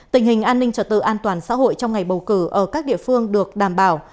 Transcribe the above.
tình hình an ninh trật tự an toàn xã hội trong ngày bầu cử ở các địa phương được đảm bảo